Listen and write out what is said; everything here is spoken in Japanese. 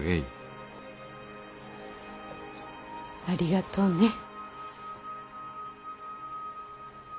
ありがとうね。